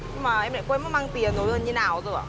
nhưng mà em lại quên mang tiền rồi như thế nào rồi ạ